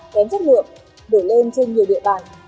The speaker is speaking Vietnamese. kém chất lượng đổi lên trên nhiều địa bàn